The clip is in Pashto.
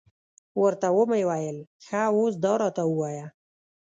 ورته ومې ویل، ښه اوس دا راته ووایه.